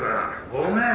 ごめん。